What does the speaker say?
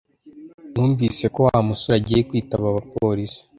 Numvise ko Wa musore agiye kwitaba abapolisi